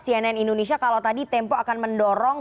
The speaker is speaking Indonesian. cnn indonesia kalau tadi tempo akan mendorong